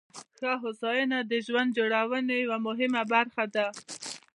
ښه هوساینه د ژوند جوړونې یوه مهمه برخه ده.